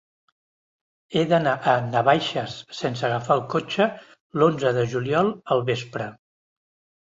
He d'anar a Navaixes sense agafar el cotxe l'onze de juliol al vespre.